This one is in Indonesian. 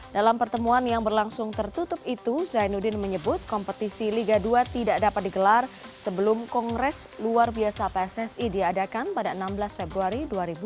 dalam pertemuan yang berlangsung tertutup itu zainuddin menyebut kompetisi liga dua tidak dapat digelar sebelum kongres luar biasa pssi diadakan pada enam belas februari dua ribu dua puluh